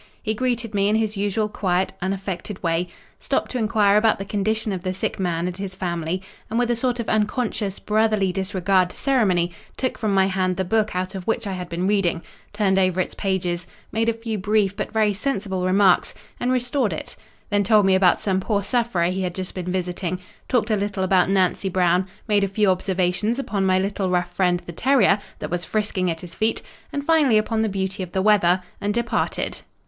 He greeted me in his usual quiet, unaffected way, stopped to inquire about the condition of the sick man and his family, and with a sort of unconscious, brotherly disregard to ceremony took from my hand the book out of which I had been reading, turned over its pages, made a few brief but very sensible remarks, and restored it; then told me about some poor sufferer he had just been visiting, talked a little about Nancy Brown, made a few observations upon my little rough friend the terrier, that was frisking at his feet, and finally upon the beauty of the weather, and departed.